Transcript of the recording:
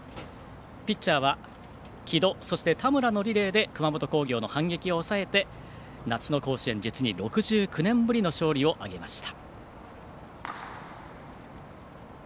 ピッチャーは城戸、田村のリレーで熊本工業の反撃を抑えて夏の甲子園、実に６９年ぶりの勝利を挙げました。